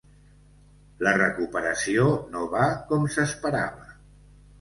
La recuperació no va com s’esperava.